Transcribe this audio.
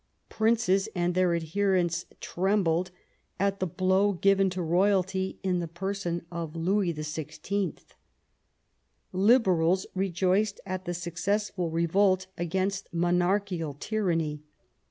Princes and their adherents trembled at the blow given to royalty in the person of Louis XVI. Liberals rejoiced at the successful revolt against monarchical tyranny.